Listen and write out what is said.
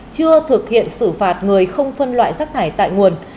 chưa thực hiện xử phạt người không phân loại rác thải tại nguồn